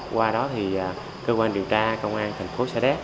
qua đó thì cơ quan điều tra công an thành phố sa đéc